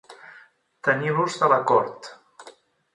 Tenir l'ús de la cort.